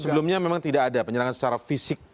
sebelumnya memang tidak ada penyerangan secara fisik